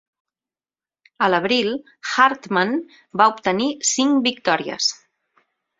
A l'abril, Hartmann va obtenir cinc victòries.